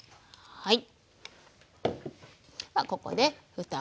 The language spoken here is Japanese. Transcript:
はい。